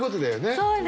そうです。